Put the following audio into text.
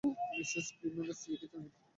Mrs ক্রিমেন্টজ লিখেছেন এটা?